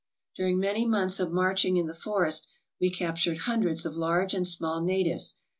During many months of marching in the forest we cap tured hundreds of large and small natives.